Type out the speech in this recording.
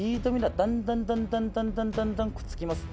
だんだんだんだんだんだんだんだんくっつきます。